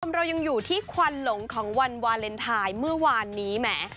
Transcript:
เรายังอยู่ที่ควันหลงของวันวาเลนไทยเมื่อวานนี้แหม